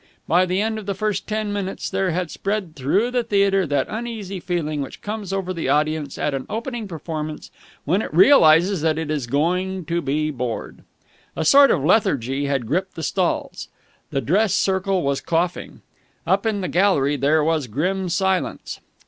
By the end of the first ten minutes there had spread through the theatre that uneasy feeling which comes over the audience at an opening performance when it realizes that it is going to be bored. A sort of lethargy had gripped the stalls. The dress circle was coughing. Up in the gallery there was grim silence.